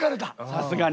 さすがに？